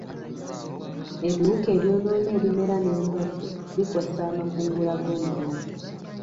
Ebiwuka ebyonoona ebimera n'endwadde bikosa amakungula g'omulimi.